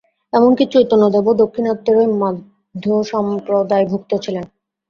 এমন কি চৈতন্যদেবও দাক্ষিণাত্যেরই মাধ্ব-সম্প্রদায়ভুক্ত ছিলেন।